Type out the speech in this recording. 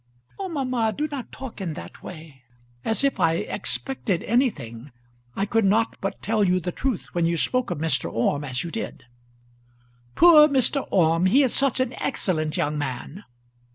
"Oh, mamma, do not talk in that way; as if I expected anything. I could not but tell you the truth when you spoke of Mr. Orme as you did." "Poor Mr. Orme! he is such an excellent young man."